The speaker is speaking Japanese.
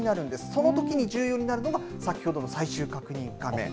そのときに重要になるのが、先ほどの最終確認画面。